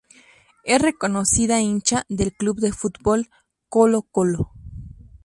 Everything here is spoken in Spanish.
Es reconocida hincha del club de fútbol Colo Colo.